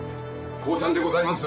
降参でございます。